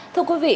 thưa quý vị